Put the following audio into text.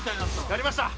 やりました！